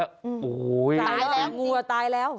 ตายแล้ว